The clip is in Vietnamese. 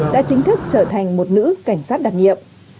đã chính thức trở thành một nữ cảnh sát đặc nhiệm